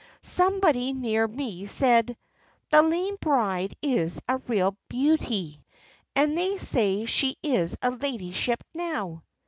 "Somebody near me said, 'The lame bride is a real beauty, and they say she is a ladyship now.'"